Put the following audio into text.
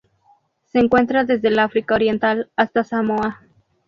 Se encuentra desde el África Oriental hasta Samoa.